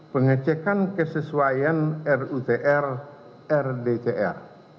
pengecekan kesesuaian rutr rdtr